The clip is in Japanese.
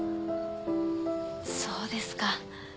そうですか。